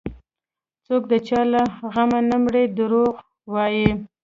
څوك د چا له غمه نه مري دروغ وايي